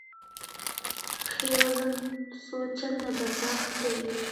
پښې وزن څو چنده برداشت کوي.